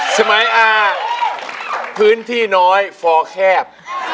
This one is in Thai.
สมัยอาพื้นที่น้อยฟอแคบ